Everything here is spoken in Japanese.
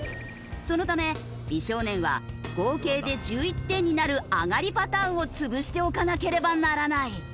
そのため美少年は合計で１１点になるあがりパターンを潰しておかなければならない。